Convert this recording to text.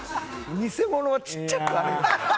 偽物はちっちゃくあれよ。